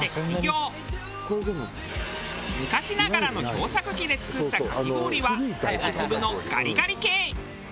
昔ながらの氷削機で作ったかき氷は大粒のガリガリ系。